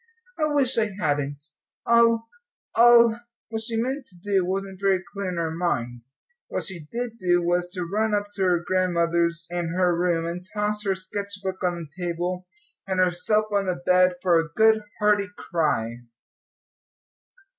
"I wish I hadn't I'll I'll " What she meant to do wasn't very clear in her mind; what she did do, was to run up to her grandmother's and her room, and toss her sketch book on the table, and herself on the bed, for a good hearty cry.